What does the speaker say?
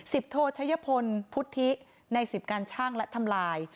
โทชัยพลพุทธิในสิบการช่างและทำลาย